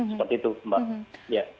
seperti itu mbak